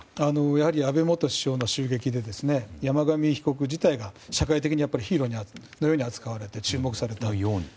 やはり安倍元首相の襲撃で山上被告自体が社会的にヒーローのように扱われて注目された。